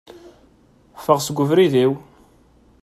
Ffeɣ seg ubrid-iw!